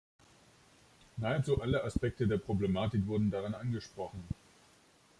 Nahezu alle Aspekte der Problematik wurden darin angesprochen.